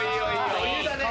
余裕だね。